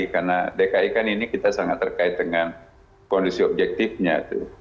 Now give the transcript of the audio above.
karena dki kan ini kita sangat terkait dengan kondisi objektifnya